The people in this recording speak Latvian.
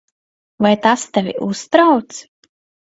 Vai tas tevi uztrauc?